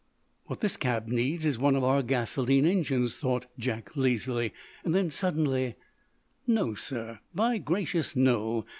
"What this cab needs is one of our gasoline engines," thought Jack, lazily. Then, suddenly: "No, sir! By gracious, no!